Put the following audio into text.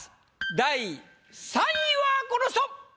第３位はこの人！